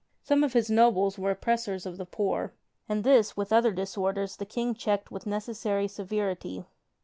Some of his nobles were oppressors of the poor, and this with other disorders the King checked with necessary severity.